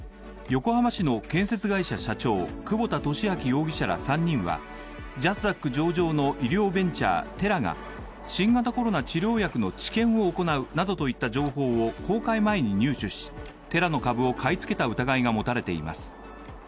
横浜市の建設会社社長、久保田俊明容疑者ら３人はジャスダック上場の医療ベンチャー・テラが新型コロナ治療薬の治験を行うなどといった情報を公開前に入手し、テラの株を買い付けた疑いが持たれています。